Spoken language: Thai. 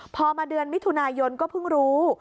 พอมาเดือนมิถุนายนก็เพิ่งรู้